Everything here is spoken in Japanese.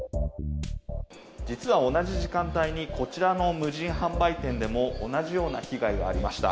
実は同じ時間帯にこちらの無人販売店でも同じような被害がありました。